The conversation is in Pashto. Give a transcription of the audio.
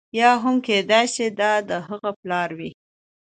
یا هم کېدای شي د هغه پلار وي.